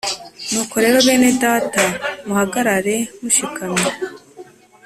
Nuko rero bene Data muhagarare mushikamye